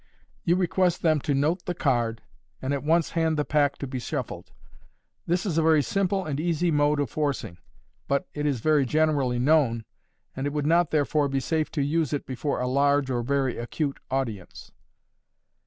You request them to note the card, and at once hand the pack to be shuffled. This is a very simple and easy mode of forcing, but it is very generally known, and it would not, therefore, be safe to use it before a large or very acute audience.